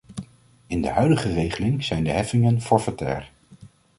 In de huidige regeling zijn de heffingen forfaitair.